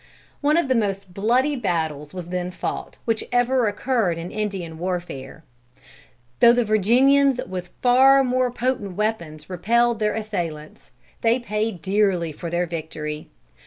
One of the most bloody battles was then fought, which ever occurred in Indian warfare. Though the Virginians with far more potent weapons repelled their assailants, they paid dearly for their victory.